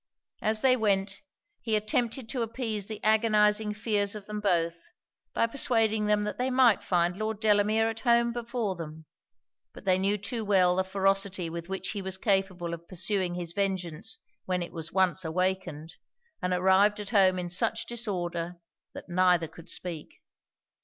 As they went, he attempted to appease the agonizing fears of them both, by persuading them that they might find Lord Delamere at home before them; but they knew too well the ferocity with which he was capable of pursuing his vengeance when it was once awakened; and arrived at home in such disorder, that neither could speak.